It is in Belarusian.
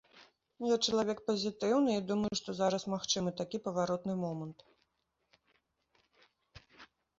Я чалавек пазітыўны і думаю, што зараз магчымы такі паваротны момант.